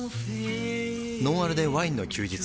「ノンアルでワインの休日」